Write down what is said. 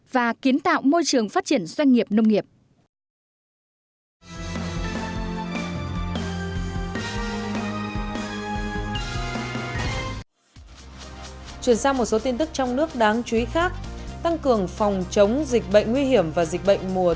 và kiến tạo môi trường phát triển doanh nghiệp nông nghiệp